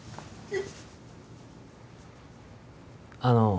あの。